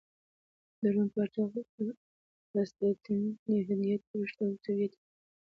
د روم پاچا قسطنطین یهودیت پرېښود او عیسویت یې قبول کړ.